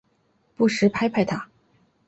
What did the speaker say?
不时拍拍她